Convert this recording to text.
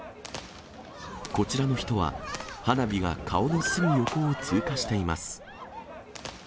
こちらの人は、花火が顔のすぐ横を通過しています。